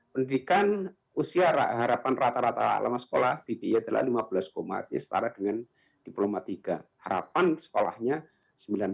pendidikan usia harapan rata rata lama sekolah di dia adalah lima belas koma setara dengan diploma tiga harapan